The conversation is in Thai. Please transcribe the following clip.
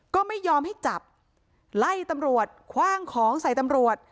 ก็ไม่ยอมให้จับไล่ตำรวจคว่างของใส่ตำรวจ